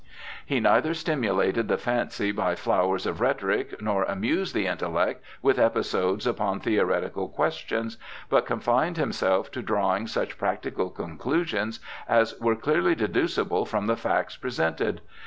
He neither stimulated the fancy by the flowers of rhetoric, nor amused the intellect with episodes upon theoretical questions, but confined himself to drawmg such practical conclusions as were clearly deducible from the facts presented.